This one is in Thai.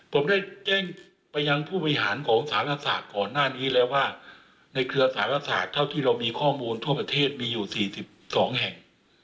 ผมได้แจ้งไปยังผู้บริหารของสารศาสตร์ก่อนหน้านี้แล้วว่าในเครือสารศาสตร์เท่าที่เรามีข้อมูลทั่วประเทศมีอยู่๔๒แห่ง